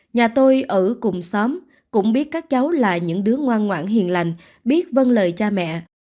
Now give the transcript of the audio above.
nhà tôi ở cùng xóm cũng biết các cháu là những đứa ngoan ngoạn hiền lành biết vân lời cha mẹ